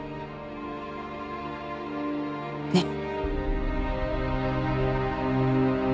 ねっ？